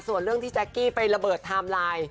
ส่วนเรื่องที่แจ๊กกี้ไประเบิดไทม์ไลน์